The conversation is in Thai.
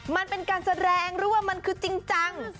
มันเป็นการแสดงหรือว่ามันคือจริงจัง